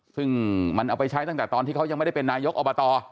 ซึ่งมันเอาไปใช้ตั้งแต่ตอนที่เขายังไม่ได้เป็นนายกอบต